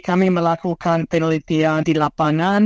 kami melakukan penelitian di lapangan